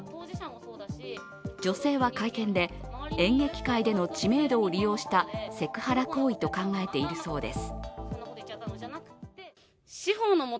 女性は会見で演劇界での知名度を利用したセクハラ行為と考えているようです。